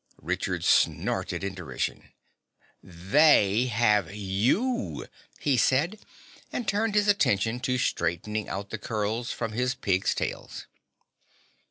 Richard snorted in derision. "They have you," he said and turned his attention to straightening out the curls from his pigs' tails.